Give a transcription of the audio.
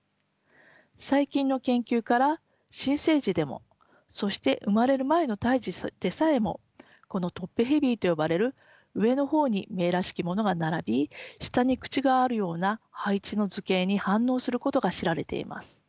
最近の研究から新生児でもそして生まれる前の胎児でさえもこのトップヘビーと呼ばれる上の方に目らしきものが並び下に口があるような配置の図形に反応することが知られています。